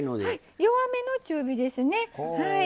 はい弱めの中火ですね。